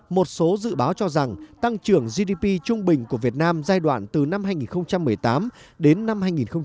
một số dự báo cho rằng tăng trưởng gdp trung bình của việt nam giai đoạn từ năm hai nghìn một mươi tám đến năm hai nghìn hai mươi